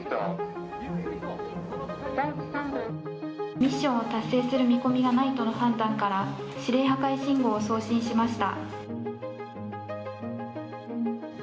ミッションを達成する見込みがないとのことから指令破壊信号を送信しました。